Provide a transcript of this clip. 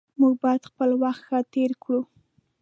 موږ باید خپل وخت ښه تیر کړو